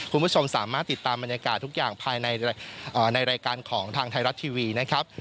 คุณผู้ชมสามารถติดตามบรรยากาศทุกอย่างภายในรายการของทางไทยรัฐทีวีนะครับ